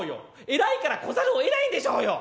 偉いから来ざるをえないんでしょうよ」。